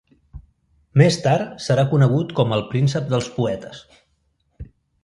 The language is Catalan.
Més tard serà conegut com el "príncep dels poetes".